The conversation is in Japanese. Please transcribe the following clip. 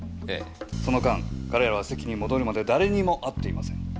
その間彼らは席に戻るまで誰にも会ってません。